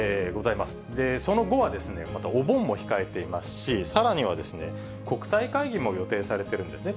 その後は、またお盆も控えていますし、さらにはですね、国際会議も予定されてるんですね。